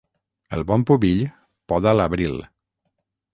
El bon pubill poda a l'abril.